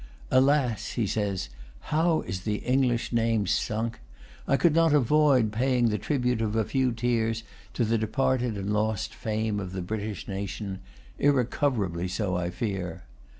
"Alas!" he says, "how is the English name sunk! I could not avoid paying the tribute of a few tears to the departed and lost fame of the British nation—irrecoverably so, I fear.